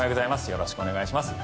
よろしくお願いします。